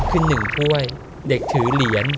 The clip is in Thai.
ขึ้น๑ข้วยเด็กถือเหรียญ